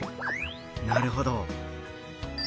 なるほど。